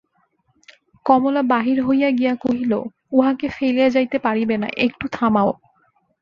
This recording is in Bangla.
কমলা বাহির হইয়া গিয়া কহিল, উহাকে ফেলিয়া যাইতে পারিবে না–একটু থামাও।